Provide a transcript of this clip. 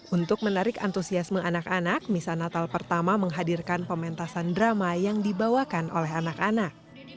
untuk menarik antusiasme anak anak misa natal pertama menghadirkan pementasan drama yang dibawakan oleh anak anak